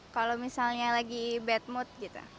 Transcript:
kalau misalnya lagi bad mood gitu